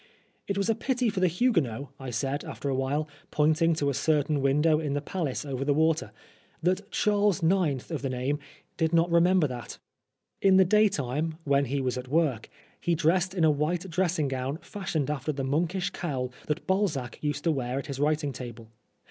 ''' "It was a pity for the Huguenots/' I said, after awhile, pointing to a certain window in the palace over the water, " that Charles, ninth of the name, did not remember that/' In the daytime, when he was at work, he dressed in a white dressing gown fashioned after the monkish cowl that Balzac used to wear at his writing table.